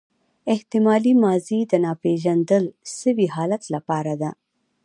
احتمالي ماضي د ناپیژندل سوي حالت له پاره ده.